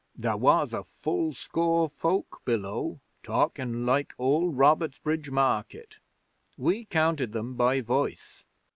'There was a full score folk below, talking like all Robertsbridge Market. We counted them by voice.